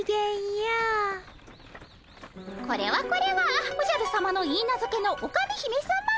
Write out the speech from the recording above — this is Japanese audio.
これはこれはおじゃるさまのいいなずけのオカメ姫さま。